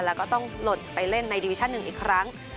แล้วก็ต้องหล่นไปเล่นในดิวิชั่น๑อีกครั้ง